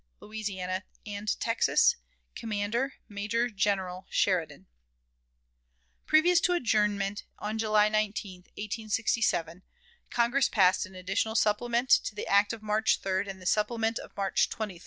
Louisiana and Texas, commander, Major General Sheridan. Previous to adjournment, on July 19, 1867, Congress passed an additional supplement to the act of March 3d and the supplement of March 23d.